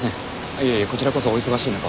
いえいえこちらこそお忙しい中。